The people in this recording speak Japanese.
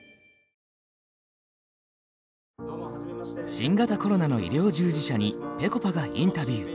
新型コロナの医療従事者にぺこぱがインタビュー。